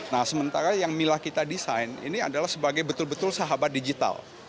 nah sementara yang mila kita desain ini adalah sebagai betul betul sahabat digital